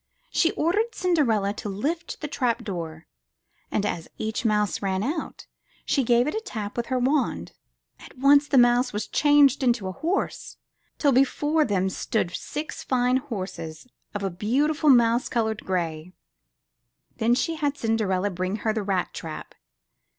She ordered Cinderella to lift the trap door, and, as each mouse ran out, she gave it a tap with her wand. At once the mouse was changed into a horse, till before them stood six fine horses of a beautiful, mouse colored gray. Then she had Cinderella bring her the rat trap.